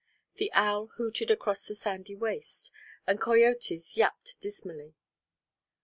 The owl hooted across the sandy waste; and coyotes yapped dismally.